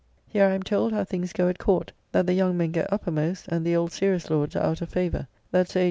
Here I am told how things go at Court; that the young men get uppermost, and the old serious lords are out of favour; that Sir H.